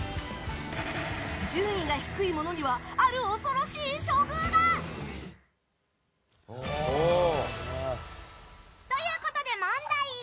順位が低い者にはある恐ろしい処遇が。ということで問題！